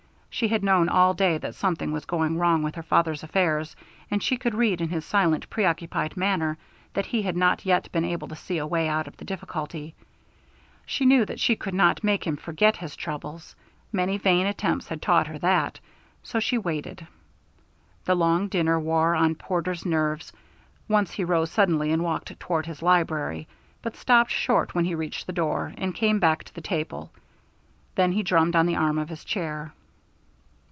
She had known all day that something was going wrong with her father's affairs, and she could read in his silent preoccupied manner that he had not yet been able to see a way out of the difficulty. She knew that she could not make him forget his troubles. Many vain attempts had taught her that, so she waited. The long dinner wore on Porter's nerves; once he rose suddenly and walked toward his library, but stopped short when he reached the door and came back to the table. Then he drummed on the arm of his chair.